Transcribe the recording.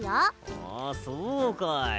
あそうかい。